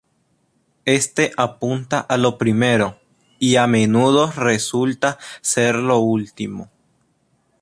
Este apunta a lo primero, y a menudo resulta ser lo último.